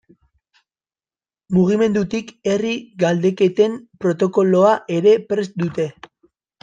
Mugimendutik herri galdeketen protokoloa ere prest dute.